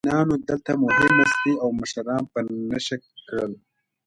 برېټانویانو دلته مهمې سټې او مشران په نښه کړل.